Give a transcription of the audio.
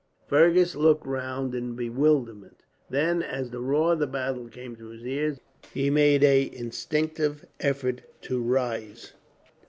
Fergus looked round in bewilderment. Then, as the roar of the battle came to his ears, he made an instinctive effort to rise.